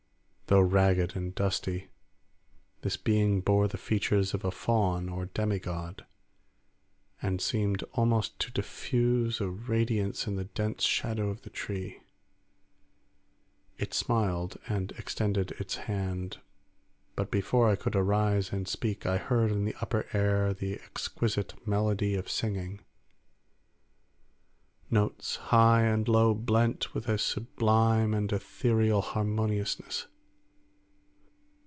Though ragged and dusty, this being bore the features of a faun or demigod, and seemed almost to diffuse a radiance in the dense shadow of the tree. It smiled and extended its hand, but before I could arise and speak I heard in the upper air the exquisite melody of singing; notes high and low blent with a sublime and ethereal harmoniousness.